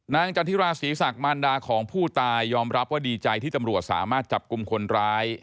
จันทิราศีศักดิ์มารดาของผู้ตายยอมรับว่าดีใจที่ตำรวจสามารถจับกลุ่มคนร้าย